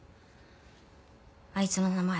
あいつの名前